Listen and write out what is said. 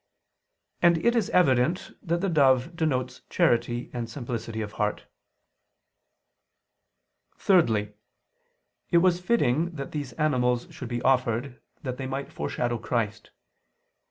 And it is evident that the dove denotes charity and simplicity of heart. Thirdly, it was fitting that these animals should be offered, that they might foreshadow Christ.